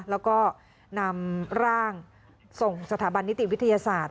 แล้วก็นำร่างส่งสถาบันนิติวิทยาศาสตร์